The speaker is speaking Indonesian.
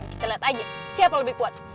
kita lihat aja siapa lebih kuat